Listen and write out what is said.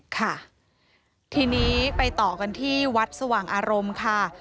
ค่ะทีนี้ไปต่อกันที่วัดสว่างอารมณ์ค่ะ